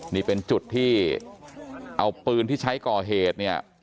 นี่เป็นจุดที่เอาปืนที่ใช้ก่อเหตุเนี่ย